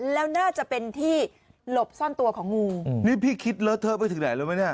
แล้วน่าจะเป็นที่หลบซ่อนตัวของงูนี่พี่คิดเลอะเทอะไปถึงไหนรู้ไหมเนี่ย